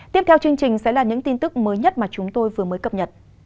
tiếp theo chương trình sẽ là những tin tức mới nhất mà chúng tôi vừa mới cập nhật